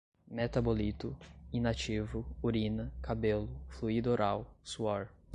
metabolito, inativo, urina, cabelo, fluído oral, suor